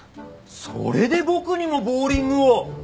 それで僕にもボウリングを？